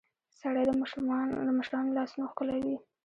سړى د مشرانو لاسونه ښکلوي.